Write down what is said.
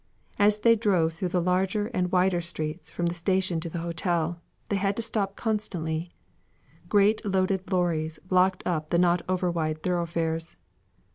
As they drove through the larger and wider streets, from the station to the hotel, they had to stop constantly; great loaded lurries blocked up the not over wide thoroughfares.